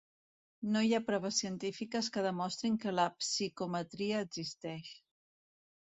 No hi ha proves científiques que demostrin que la psicometria existeix.